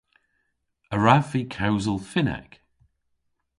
A wrav vy kewsel Fynnek?